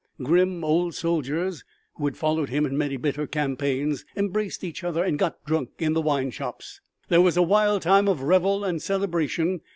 Grim old soldiers, who had followed him in many bitter campaigns, embraced each other and got drunk in the wineshops. There was a wild time of revel and celebration.